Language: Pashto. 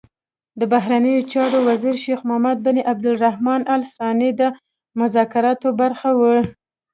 د بهرنیو چارو وزیر شیخ محمد بن عبدالرحمان ال ثاني د مذاکراتو برخه وي.